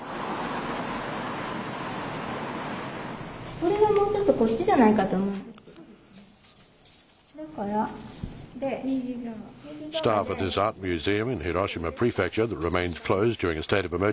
これはもうちょっとこっちじゃないかと思うんですよ。